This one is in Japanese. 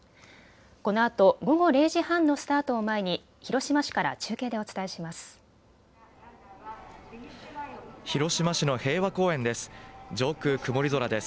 このあと午後０時半のスタートを前に広島市から中継でお伝えします。